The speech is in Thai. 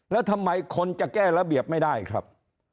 แล้วทำไมคนจะแก้ระเบียบไม่ได้ครับ